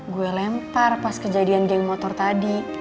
gue lempar pas kejadian geng motor tadi